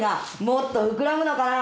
もっと膨らむのかな？